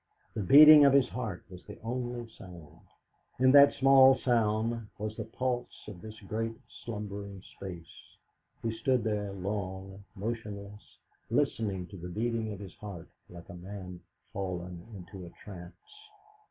The beating of his heart was the only sound; in that small sound was all the pulse of this great slumbering space. He stood there long, motionless, listening to the beating of his heart, like a man fallen into a trance.